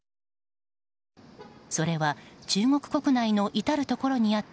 それは、中国国内の至るところにあった